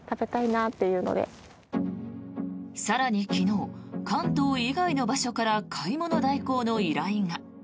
更に昨日、関東以外の場所から買い物代行の依頼が。